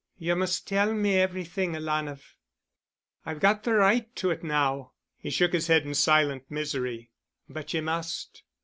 "You must tell me everything, alanah. I've got the right to it now." He shook his head in silent misery. "But you must."